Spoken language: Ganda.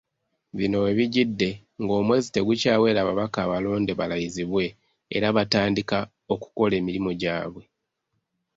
Bino we bijjidde ng'omwezi tegukyawera ababaka abalonde balayizibwe era batandika okukola emirimu gyabwe.